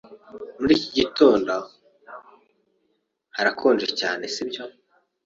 Muri iki gitondo harakonje cyane, sibyo?